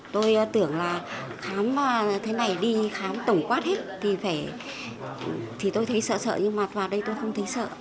tôi tưởng là khám thế này đi khám tổng quát hết thì phải thì tôi thấy sợ sợ nhưng mà vào đây tôi không thấy sợ